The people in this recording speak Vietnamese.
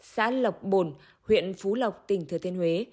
xã lộc bồn huyện phú lộc tỉnh thừa thiên huế